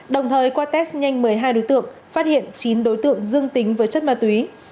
đồng thời qua test nhanh một mươi hai đối tượng phát hiện chín đối tượng dương tính với chất ma túy